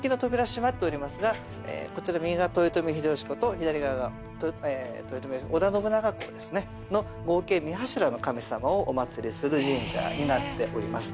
閉まっておりますがこちら右側豊臣秀吉公と左側が織田信長公ですね。の合計３柱の神様をお祭りする神社になっております。